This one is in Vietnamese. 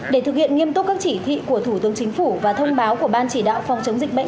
để thực hiện nghiêm túc các chỉ thị của thủ tướng chính phủ và thông báo của ban chỉ đạo phòng chống dịch bệnh